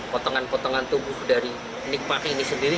potongan potongan tubuh dari nikmati ini sendiri